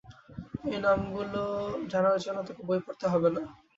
এই নামগুলো জানার জন্য তোকে বই পড়তে হবেনা।